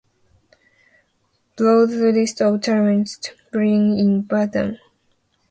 Below the list of tallest buildings in Batam.